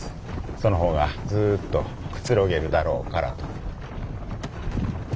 その方がずっとくつろげるだろうからと。